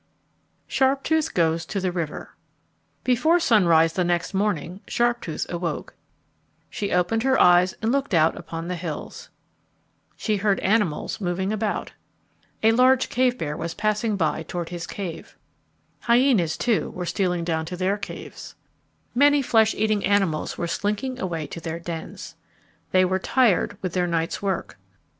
Sharptooth Goes to the River Before sunrise the next morning Sharptooth awoke. She opened her eyes and looked out upon the hills. [Illustration: "Hyenas were stealing down to their caves"] She heard animals moving about. A large cave bear was passing by toward his cave. Hyenas, too, were stealing down to their caves. Many flesh eating animals were slinking away to their dens. They were tired with their night's work.